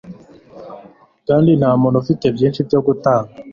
Kandi ntamuntu ufite byinshi byo gutanga